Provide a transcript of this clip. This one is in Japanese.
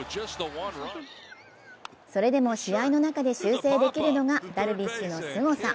それでも試合の中で修正できるのがダルビッシュのすごさ。